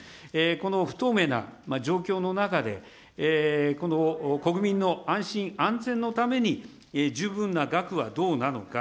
この不透明な状況の中で、この国民の安心・安全のために十分な額はどうなのか。